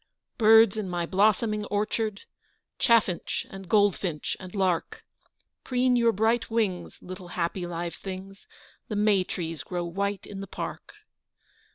Birds in my blossoming orchard, Chaffinch and goldfinch and lark, Preen your bright wings, little happy live things; The May trees grow white in the park!